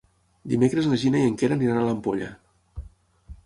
Dimecres na Gina i en Quer aniran a l'Ampolla.